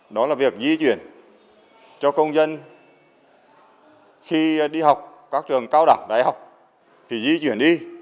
đó là việc di chuyển cho công dân khi đi học các trường cao đẳng đại học thì di chuyển đi